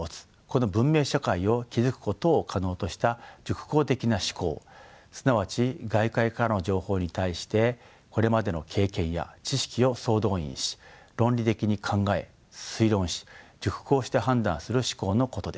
この文明社会を築くことを可能とした熟考的な思考すなわち外界からの情報に対してこれまでの経験や知識を総動員し論理的に考え推論し熟慮して判断する思考のことです。